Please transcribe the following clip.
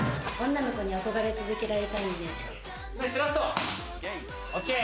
女の子に憧れ続けられたいんで。